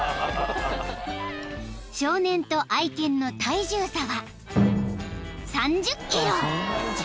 ［少年と愛犬の体重差は３０ｋｇ］